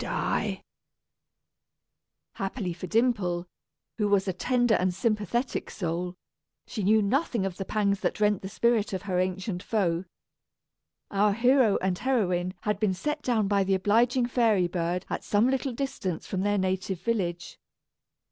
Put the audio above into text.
[Illustration: THE NINE YOUNG OGRESSES] Happily for Dimple, who was a tender and sympathetic soul, she knew nothing of the pangs that rent the spirit of her ancient foe. Our hero and heroine had been set down by the obliging fairy bird at some little distance from their native village.